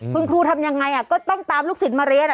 คุณครูทำยังไงก็ต้องตามลูกศิษย์มาเรียน